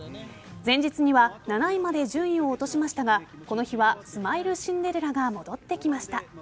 前日には７位まで順位を落としましたがこの日はスマイルシンデレラが戻ってきました。